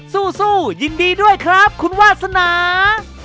สู้ยินดีด้วยครับคุณวาสนา